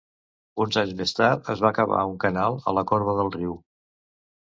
Uns anys més tard es va cavar un canal a la corba del riu.